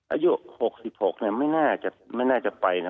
อายุ๖๖ไม่น่าจะไปนะ